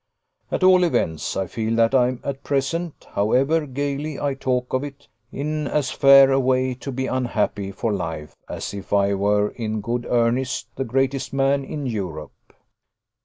At all events, I feel that I am at present however gaily I talk of it in as fair a way to be unhappy for life, as if I were, in good earnest, the greatest man in Europe.